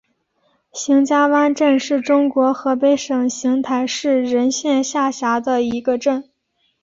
邢家湾镇是中国河北省邢台市任县下辖的一个镇。